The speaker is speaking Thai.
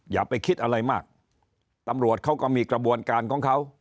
อย่าไปคิดอะไรมากตำรวจเขาก็มีกระบวนการของเขา